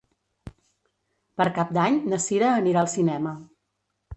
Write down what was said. Per Cap d'Any na Cira anirà al cinema.